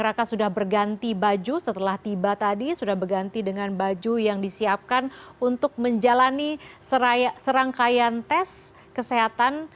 apakah sudah berganti baju setelah tiba tadi sudah berganti dengan baju yang disiapkan untuk menjalani serangkaian tes kesehatan